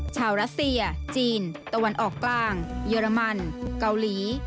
รัสเซียจีนตะวันออกกลางเยอรมันเกาหลี